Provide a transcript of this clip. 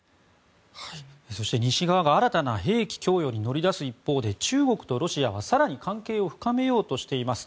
西側が新たな兵器供与に乗り出す一方で中国とロシアが更に関係を深めようとしています。